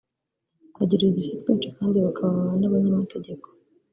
bagira udushya twinshi kandi bakaba n’abanyamategeko